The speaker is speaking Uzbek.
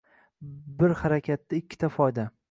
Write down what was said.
Bir harakatda ikkita foyda!